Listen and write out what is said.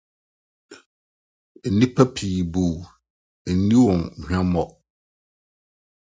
Nnipa pii bu wo, nni wɔn huammɔ.